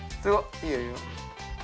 いいよいいよ。